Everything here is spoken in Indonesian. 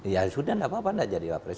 ya sudah tidak apa apa tidak jadi wapres